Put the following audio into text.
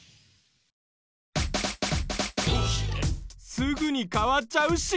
すぐに変わっちゃう信号！